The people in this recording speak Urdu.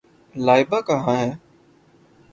لائبہ کہاں ہے؟